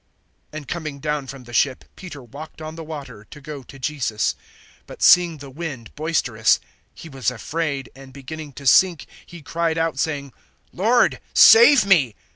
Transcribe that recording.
And coming down from the ship, Peter walked on the water, to go to Jesus. (30)But seeing the wind boisterous, he was afraid; and beginning to sink, he cried out, saying: Lord, save me.